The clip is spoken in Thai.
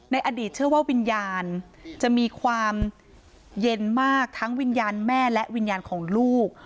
อดีตเชื่อว่าวิญญาณจะมีความเย็นมากทั้งวิญญาณแม่และวิญญาณของลูก